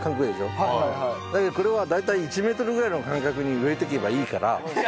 だけどこれは大体１メートルぐらいの間隔に植えとけばいいから。